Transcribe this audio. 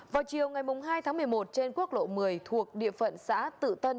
vào chiều ngày hai tháng một mươi một trên quốc lộ một mươi thuộc địa phận xã tự tân